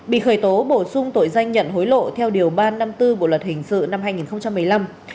bị khởi tố bổ sung tội danh nhận hối lộ theo điều ba trăm năm mươi bốn bộ luật hình sự năm hai nghìn một mươi năm